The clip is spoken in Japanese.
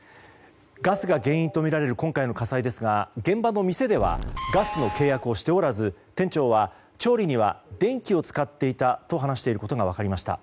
ガスが原因とみられる今回の火災ですが現場の店ではガスの契約をしておらず店長は調理には電気を使っていたと話していることが分かりました。